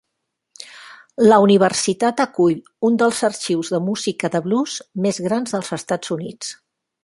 La universitat acull un dels arxius de música de blues més grans dels Estats Units.